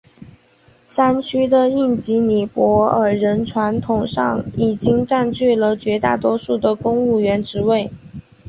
山区的印裔尼泊尔人传统上已经占据了绝大多数的公务员职位。